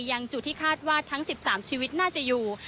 อย่างจุดที่คาดว่าทั้ง๑๓ชีวิตน่าจะอยู่